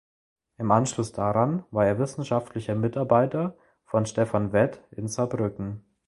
Im Anschluss daran war er wissenschaftlicher Mitarbeiter von Stephan Weth in Saarbrücken.